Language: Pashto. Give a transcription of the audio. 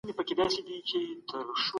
د کوچني مابينځ کي مي خپلي غونډې تنظیم کړې.